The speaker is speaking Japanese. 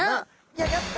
ギョギョッと！